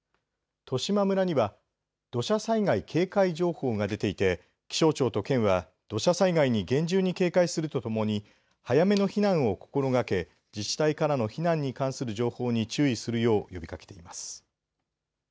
十島村には土砂災害警戒情報が出ていて気象庁と県は土砂災害に厳重に警戒するとともに早めの避難を心がけ自治体からの避難に関する情報に注意するよう呼びかけています。